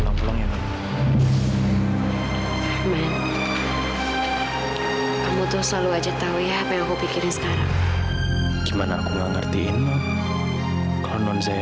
aduh ini ini